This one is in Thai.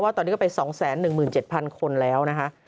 ตอนนี้ก็ไป๒๑๗๐๐คนแล้วนะคะ